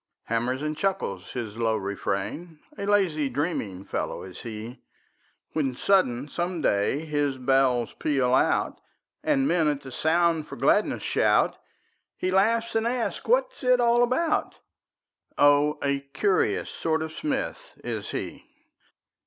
Hammers and chuckles his low refrain, A lazy, dreaming fellow is he: When sudden, some day, his bells peal out, And men, at the sound, for gladness shout; He laughs and asks what it's all about; Oh, a curious sort of smith is he.